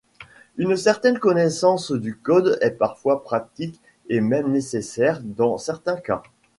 Une certaine connaissance du code est parfois pratique et même nécessaire dans certains cas.